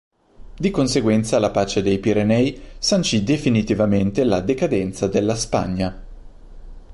Di conseguenza la pace dei Pirenei sancì definitivamente la decadenza della Spagna.